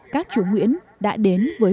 các chủ nguyễn đã đến với